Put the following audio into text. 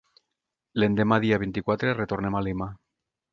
L'endemà dia vint-i-quatre retornem a Lima.